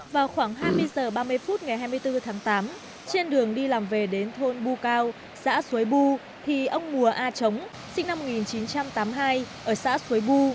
vào khoảng hai mươi h ba mươi phút ngày hai mươi bốn tháng tám trên đường đi làm về đến thôn bu cao xã suối bu thì ông mùa a chống sinh năm một nghìn chín trăm tám mươi hai ở xã suối bu